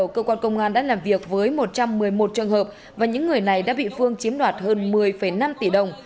cơ quan công an đã làm việc với một trăm một mươi một trường hợp và những người này đã bị phương chiếm đoạt hơn một mươi năm tỷ đồng